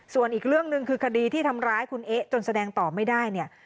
ส่วนอีกเรื่องหนึ่งคือคดีที่ทำร้ายคุณเอ๊ะจนแสดงต่อไม่ได้เนี่ย